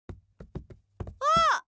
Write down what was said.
あっ！